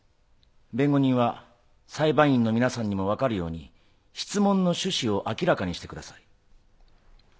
弁護人は裁判員の皆さんにもわかるように質問の趣旨を明らかにしてください。